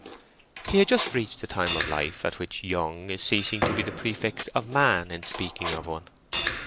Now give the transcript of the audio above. He had just reached the time of life at which "young" is ceasing to be the prefix of "man" in speaking of one.